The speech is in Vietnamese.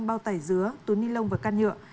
bao tải dứa túi ni lông và can nhựa